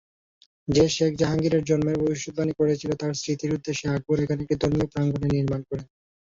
যে শেখ জাহাঙ্গীরের জন্মের ভবিষ্যদ্বাণী করেছিলেন তার স্মৃতির উদ্দেশ্যে আকবর এখানে একটি ধর্মীয় প্রাঙ্গণের নির্মাণ করেন।